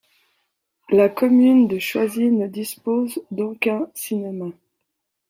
La commune de Choisy ne dispose d'aucun cinéma.